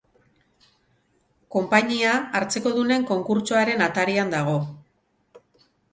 Konpainia hartzekodunen konkurtsoaren atarian dago.